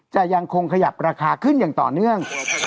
จะยังคงขยับราคาขึ้นอย่างต่อเนื่อง